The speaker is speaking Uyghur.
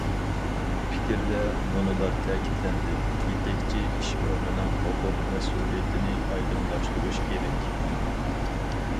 پىكىردە مۇنۇلار تەكىتلەندى: يېتەكچى ئىش ئورنىنىڭ ھوقۇق- مەسئۇلىيىتىنى ئايدىڭلاشتۇرۇش كېرەك.